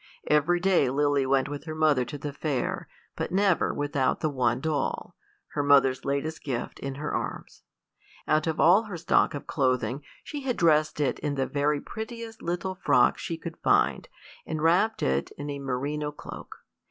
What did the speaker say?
Every day Lily went with her mother to the Fair, but never without the one doll, her mother's latest gift, in her arms. Out of all her stock of clothing she had dressed it in the very prettiest little frock she could find, and wrapped it in a merino cloak.